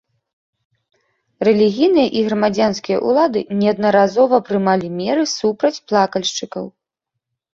Рэлігійныя і грамадзянскія ўлады неаднаразова прымалі меры супраць плакальшчыкаў.